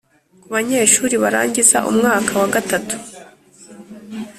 Ku banyeshuri barangiza umwaka wa gatatu